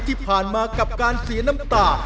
ที่ผ่านมากับการเสียน้ำตา